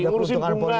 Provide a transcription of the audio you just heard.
ngurusin bunga aja susah